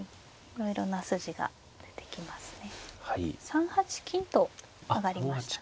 ３八金と上がりましたね。